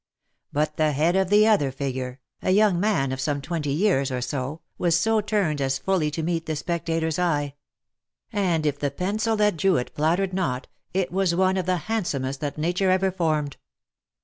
But the head of the other figure, a young man of some twenty years or so, was so turned as fully to meet the spectator's eye ; and if the pencil that drew it flattered not, it was one of the handsomest that nature ever formed.